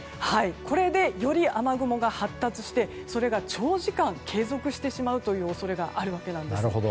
これでより雨雲が発達してそれが長時間継続してしまう恐れがあるわけなんです。